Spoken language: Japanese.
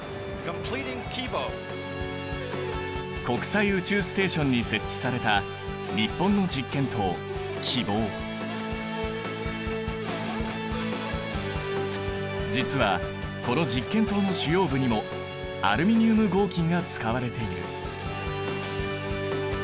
国際宇宙ステーションに設置された実はこの実験棟の主要部にもアルミニウム合金が使われている。